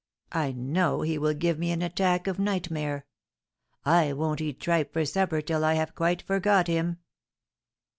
I know he will give me an attack of nightmare. I won't eat tripe for supper till I have quite forgot him."